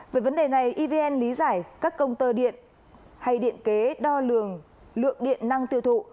về vấn đề này evn lý giải các công tơ điện hay điện kế đo lường lượng lượng điện năng tiêu thụ